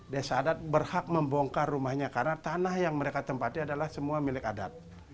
desa adat berhak membongkar rumahnya karena tanah yang mereka tempati adalah semua milik adat